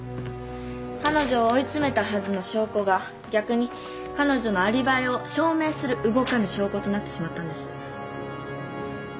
彼女を追い詰めたはずの証拠が逆に彼女のアリバイを証明する動かぬ証拠となってしまったんです。